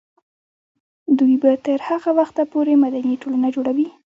دوی به تر هغه وخته پورې مدني ټولنه جوړوي.